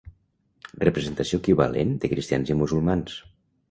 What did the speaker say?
Representació equivalent de cristians i musulmans.